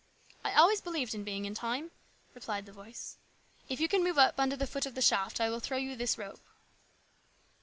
" I always believed in being in time," replied the voice. " If you can move up under the foot of the shaft, I will throw you this rope."